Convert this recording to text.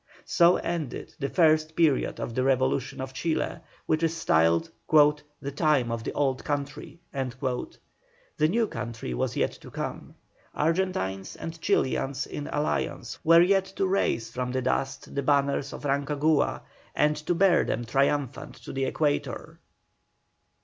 So ended the first period of the revolution of Chile, which is styled "the time of the old country." The new country was yet to come. Argentines and Chilians in alliance were yet to raise from the dust the banners of Rancagua, and to bear them triumphant to the Equator. CHAPTER IX.